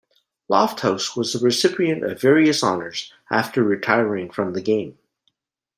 Lofthouse was the recipient of various honours after retiring from the game.